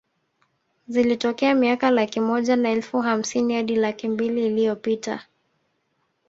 Zilitokea miaka laki moja na elfu hamsini hadi laki mbili iliyopita